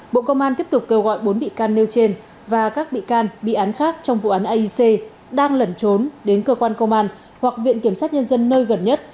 bộ công an tiếp tục kêu gọi bốn bị can nêu trên và các bị can bị án khác trong vụ án aic đang lẩn trốn đến cơ quan công an hoặc viện kiểm sát nhân dân nơi gần nhất